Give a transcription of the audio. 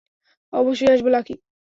অবশ্যই আসবো, লাকি।